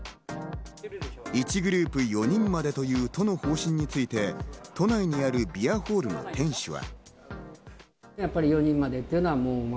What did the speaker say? １グループ４人までという都の方針について、都内にあるビアホールの店主は。